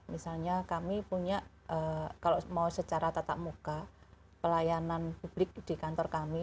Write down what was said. misalnya kami punya kalau mau secara tatap muka pelayanan publik di kantor kami